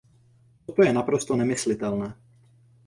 Toto je naprosto nemyslitelné.